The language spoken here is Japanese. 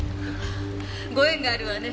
ご縁があるわね。